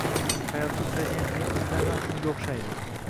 Hayotda uchraydigan qiyinchiliklar ham shunga oʻxshaydi